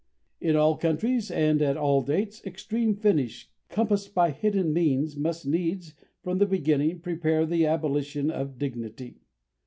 In all countries, and at all dates, extreme finish compassed by hidden means must needs, from the beginning, prepare the abolition of dignity.